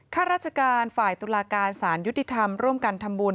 ข้าราชการฝ่ายตุลาการสารยุติธรรมร่วมกันทำบุญ